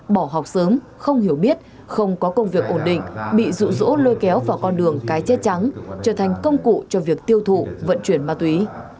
bỏ học sớm không hiểu biết không có công việc ổn định bị rụ rỗ lôi kéo vào con đường cái chết trắng trở thành công cụ cho việc tiêu thụ vận chuyển ma túy